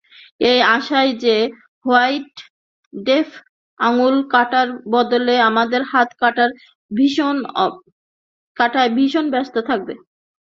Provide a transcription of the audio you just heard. এই আশায় যে হোয়াইট ডেথ আঙুল কাটার বদলে আমাদের হাত কাটায় ভীষণ ব্যস্ত থাকবে।